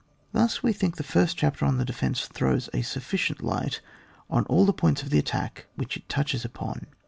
Thus we think the first chapter on the defence throws a sufficient light on all the points of the attack which it touches upon.